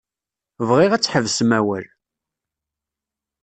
Bɣiɣ ad tḥebsem awal.